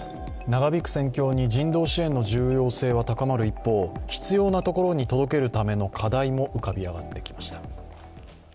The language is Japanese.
長引く戦況に人道支援の重要性が高まる一方必要なところに届けるための課題も上がってきました。